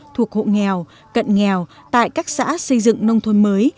thuộc hộ nghèo cận nghèo tại các xã xây dựng nông thôn mới